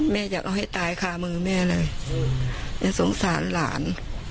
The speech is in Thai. อยากเอาให้ตายคามือแม่เลยอย่าสงสารหลาน